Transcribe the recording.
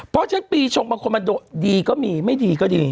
เพราะฉะนั้นปีชงบางคนมันดีก็มีไม่ดีก็ดี